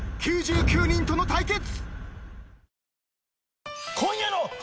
９９人との対決！